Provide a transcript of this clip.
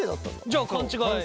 じゃあ勘違い。